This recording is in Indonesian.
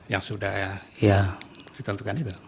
yang sudah ditentukan itu